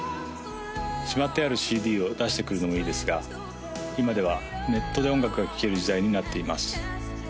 しまってあるＣＤを出してくるのもいいですが今ではネットで音楽が聴ける時代になっています